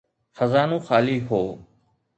خزانو خالي هو.